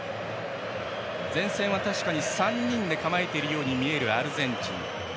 前線は確かに３人で構えているように見えるアルゼンチン。